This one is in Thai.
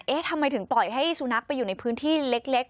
ทำไมถึงปล่อยให้สุนัขไปอยู่ในพื้นที่เล็ก